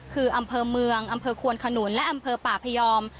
คืออำเภอเมืองอำเภอควนขนุนและอำเภอป่าพยอม